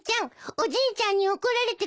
おじいちゃんに怒られてください。